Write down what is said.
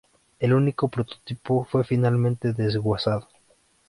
El único prototipo fue finalmente desguazado.